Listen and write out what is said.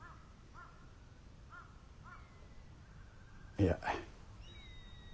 いや。